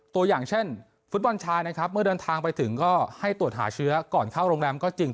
ตัวอย่างเช่นฟุตบอลชายนะครับเมื่อเดินทางไปถึงก็ให้ตรวจหาเชื้อก่อนเข้าโรงแรมก็จริง